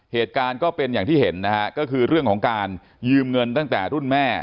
เหตุการณ์ก็เป็นอย่างที่เห็นนะฮะก็คือเรื่องของการยืมเงินตั้งแต่รุ่นแม่